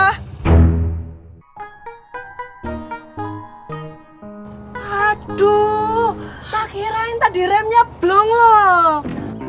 haduh tak kirain tadi remnya belum loh